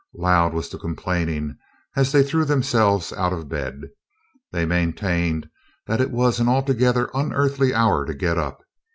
Loud was the complaining as they threw themselves out of bed. They maintained that it was an altogether unearthly hour to get up.